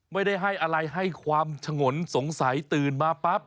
ไม่ได้ให้อะไรให้ความฉงนสงสัยตื่นมาปั๊บ